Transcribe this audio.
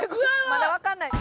まだ分かんない。